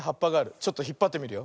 ちょっとひっぱってみるよ。